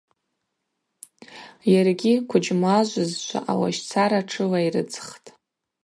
Йаргьи квыджьмажвызшва алащцара тшылайрыдзхтӏ.